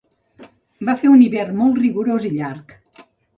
Va fer un hivern molt rigorós i llarg.